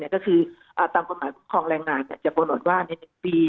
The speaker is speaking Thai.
ก็คือตามกฎหมายคุ้มครองแรงงานจะโปรโมทว่าใน๑ปี